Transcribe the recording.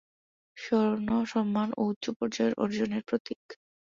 স্বর্ণ সম্মান ও উচ্চ পর্যায়ের অর্জনের প্রতীক।